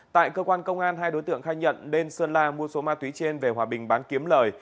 tại cơ quan công an hai đối tượng khai nhận bên sơn la mua số ma túy trên về hòa bình bán kiếm lời